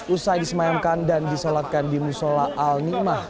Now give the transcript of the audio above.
usai disemayamkan dan disolatkan di musola al nimah